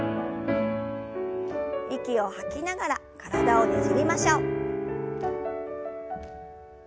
息を吐きながら体をねじりましょう。